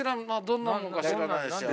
どんなのか知らないし。